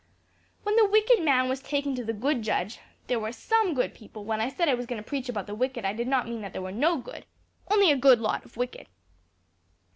"When the wicked man was taken then to the good judge there were some good people: when I said I was going to preach about the wicked, I did not mean that there were no good, only a good lot of wicked.